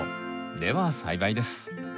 では栽培です。